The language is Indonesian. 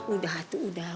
udah tuh udah